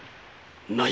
ない。